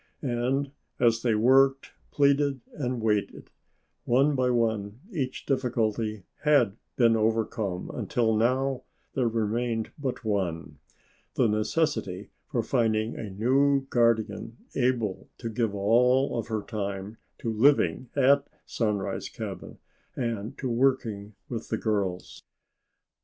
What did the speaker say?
And as they worked, pleaded and waited, one by one each difficulty had been overcome until now there remained but one the necessity for finding a new guardian able to give all of her time to living at Sunrise cabin and to working with the girls.